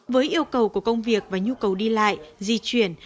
với yêu cầu của công việc và nhu cầu đi lại di chuyển